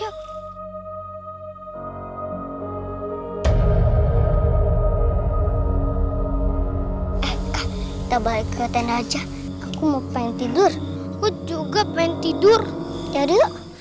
kita balik ke tanah aja aku mau pengen tidur aku juga pengen tidur jadi